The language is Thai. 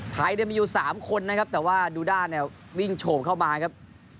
ไทยเนี่ยมีอยู่๓คนนะครับแต่ว่าดูด้าเนี่ยวิ่งโฉมเข้ามาครับ